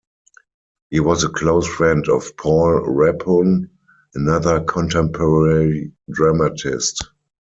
He was a close friend of Paul Rebhun, another contemporary dramatist.